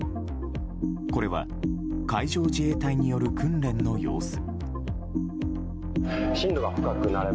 これは、海上自衛隊による訓練の様子。